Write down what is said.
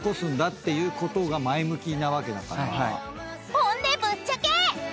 ［本音ぶっちゃけ！］